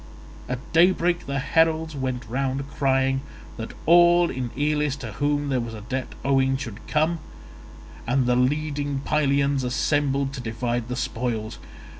At daybreak the heralds went round crying that all in Elis to whom there was a debt owing should come; and the leading Pylians assembled to divide the spoils.